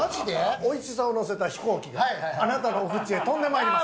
おいしさを乗せた飛行機があなたのお口へ飛んでまいります。